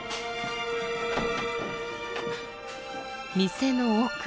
店の奥